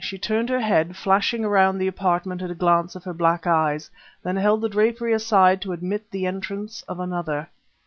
She turned her head, flashing around the apartment a glance of her black eyes, then held the drapery aside to admit the entrance of another....